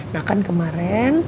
nah kan kemarin